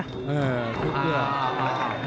เออคึกด้วย